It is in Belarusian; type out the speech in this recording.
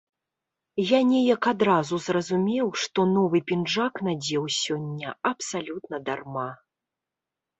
Я неяк адразу зразумеў, што новы пінжак надзеў сёння абсалютна дарма.